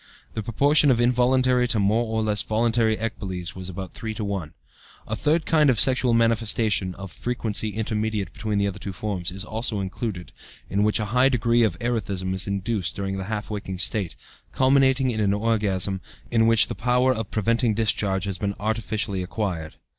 The proportion of involuntary to more or less voluntary ecboles was about 3 to 1. A third kind of sexual manifestation (of frequency intermediate between the other two forms) is also included, in which a high degree of erethism is induced during the half waking state, culminating in an orgasm in which the power of preventing discharge has been artificially acquired.